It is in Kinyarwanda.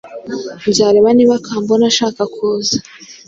Nzareba niba Kambona ashaka kuza.